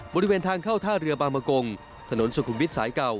บริเวณทางเข้าท่าเรือบางมะกงถนนสุขุมวิทย์สายเก่า